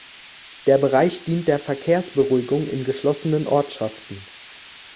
Der Bereich dient der Verkehrsberuhigung in geschlossenen Ortschaften.